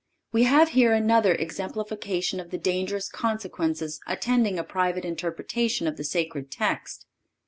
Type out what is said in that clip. We have here another exemplification of the dangerous consequences attending a private interpretation of the sacred text.